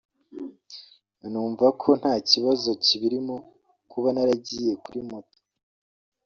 numva ko nta kibazo kibirimo kuba naragiye kuri moto